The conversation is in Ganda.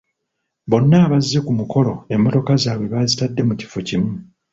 Bonna abazze ku mukolo emmotoka zaabwe baazitadde mu kifo kimu.